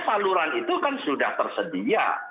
saluran itu kan sudah tersedia